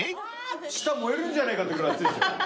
舌燃えるんじゃないかってぐらい熱いっすよ。